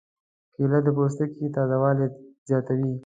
کېله د پوستکي تازه والی زیاتوي.